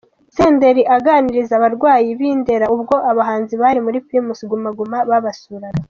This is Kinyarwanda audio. Senderi aganiriza abarwayi b'i Ndera ubwo abahanzi bari muri Primus Guma Guma babasuraga.